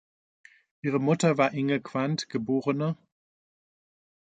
Ihre Mutter war Inge Quandt, geb.